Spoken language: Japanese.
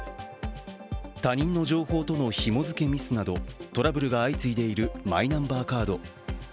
他人の情報とのひも付けミスなど、トラブルが相次いでいるマイナンバーカード。